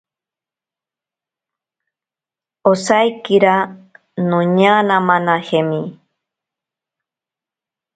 Osaikira noñamanajemi.